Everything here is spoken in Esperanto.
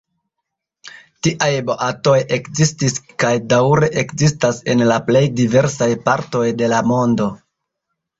Tiaj boatoj ekzistis kaj daŭre ekzistas en la plej diversaj partoj de la mondo.